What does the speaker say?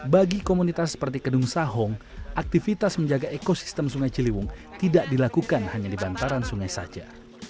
bagi komunitas seperti kedung sahong aktivitas menjaga ekosistem sungai ciliwung tidak dilakukan hanya di bantaran sungai saja